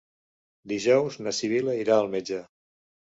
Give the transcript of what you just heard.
Dijous na Sibil·la irà al metge.